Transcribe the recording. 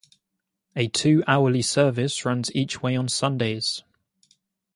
A two-hourly service runs each way on Sundays.